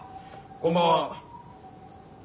こんばんは。